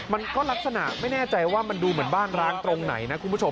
มันก็ลักษณะไม่แน่ใจว่ามันดูเหมือนบ้านร้างตรงไหนนะคุณผู้ชม